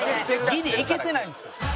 ぎり行けてないんですよ。